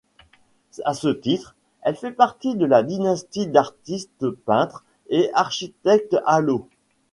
À ce titre, elle fait partie de la dynastie d'artistes-peintres et architectes Alaux.